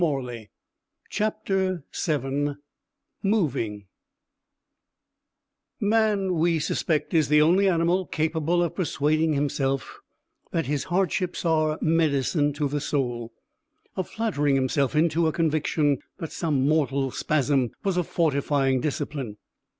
MOVING Man, we suspect, is the only animal capable of persuading himself that his hardships are medicine to the soul, of flattering himself into a conviction that some mortal spasm was a fortifying discipline.